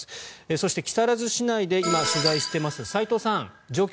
そして、木更津市内で今、取材しています齋藤さん状況